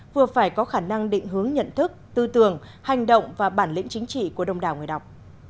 vừa phải có khả năng định hướng nhận thức tư tưởng hành động và bản lĩnh chính trị của đông đảo người đọc